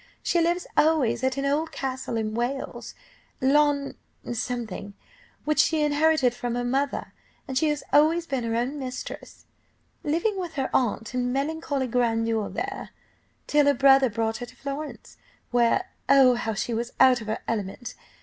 She lives always at an old castle in Wales, Llan something, which she inherited from her mother, and she has always been her own mistress, living with her aunt in melancholy grandeur there, till her brother brought her to Florence, where oh, how she was out of her element!